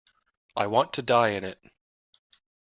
I want to die in it.